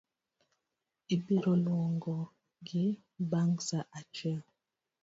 Ibiroluongi bang’ sa achiel